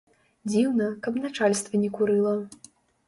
Дзіўна, каб начальства не курыла.